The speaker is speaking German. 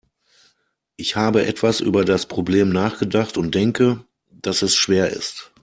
Ich habe etwas über das Problem nachgedacht und denke, dass es schwer ist.